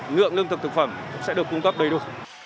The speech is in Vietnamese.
ngượng nương thực thực phẩm sẽ được cung cấp đầy đủ